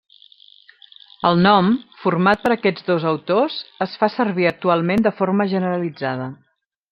El nom, format per aquests dos autors, es fa servir actualment de forma generalitzada.